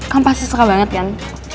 kan pasti suka banget kan